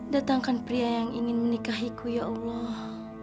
datangkan pria yang ingin menikahiku ya allah